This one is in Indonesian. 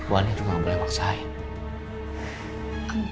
wanit gak boleh memaksainya